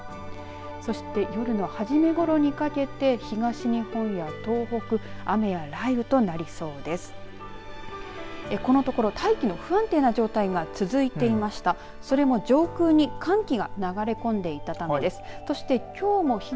そして夜の初めごろにかけて東日本や東北雨や雷雨となりそうです。